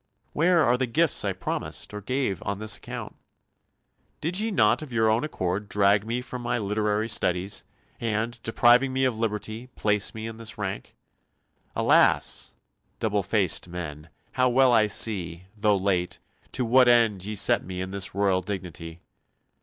Where are the gifts I promised or gave on this account? Did ye not of your own accord drag me from my literary studies, and, depriving me of liberty, place me in this rank? Alas! double faced men, how well I see, though late, to what end ye set me in this royal dignity!